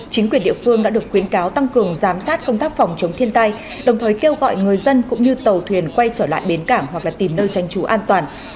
chính quyền địa phương đã được khuyến cáo tăng cường giám sát công tác phòng chống thiên tai đồng thời kêu gọi người dân cũng như tàu thuyền quay trở lại bến cảng hoặc là tìm nơi tranh trú an toàn